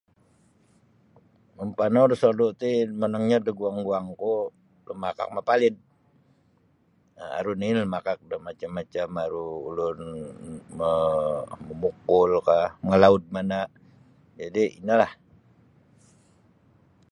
Mampanau da sodu ti monongnyo daguang-guangku lumakak mapalid um aru nini' lumakak da macam-macam aru ulun mo mamukulkah mamalaud mana' jadi inolah.